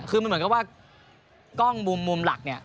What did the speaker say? คือมันเหมือนกับว่ากล้องมุมหลักเนี่ย